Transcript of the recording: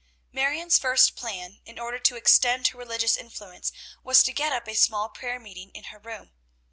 Marion's first plan in order to extend her religious influence was to get up a small prayer meeting in her room.